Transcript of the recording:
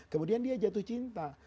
kemudian dia jatuh cinta